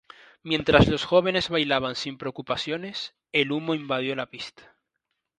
Mientras los jóvenes bailaban sin preocupaciones, el humo invadió la pista.